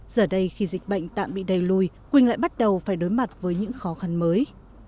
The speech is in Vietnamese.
giờ đây khi dịch bệnh tạm bị đầy lùi quỳnh lại bắt đầu phải đối mặt với những khó khăn mới